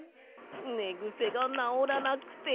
ねぐせがなおらなくて。